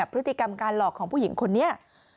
พฤติกรรมการหลอกของผู้หญิงคนนี้